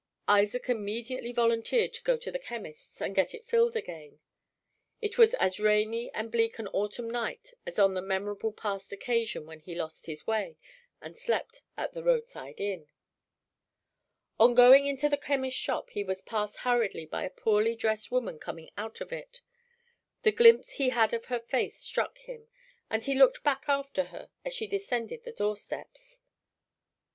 Isaac immediately volunteered to go to the chemist's and get it filled again. It was as rainy and bleak an autumn night as on the memorable past occasion when he lost his way and slept at the road side inn. On going into the chemist's shop he was passed hurriedly by a poorly dressed woman coming out of it. The glimpse he had of her face struck him, and he looked back after her as she descended the door steps.